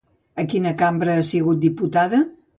A quina cambra ha sigut diputada?